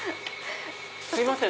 すいません